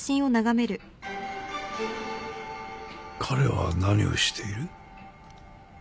彼は何をしている？